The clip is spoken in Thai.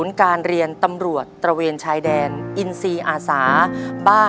ในแคมเปญพิเศษเกมต่อชีวิตโรงเรียนของหนู